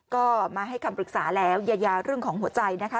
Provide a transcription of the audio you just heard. ก็มาให้คำปรึกษาแล้วยายาเรื่องของหัวใจนะคะ